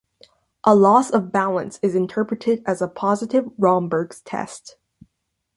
A loss of balance is interpreted as a positive Romberg's test.